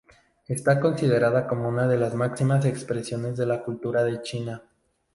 Está considerada como una de las máximas expresiones de la cultura de China.